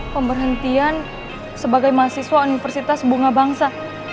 pemberhentian sebagai mahasiswa universitas bunga bangsa